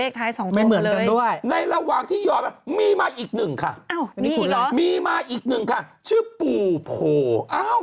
ก็วางที่ยอมมีมาอีกหนึ่งค่ะมีมาอีกหนึ่งค่ะชื่อปู่โผล์